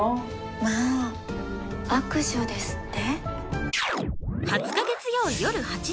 まあ悪女ですって。